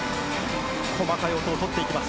細かい音を取っていきます。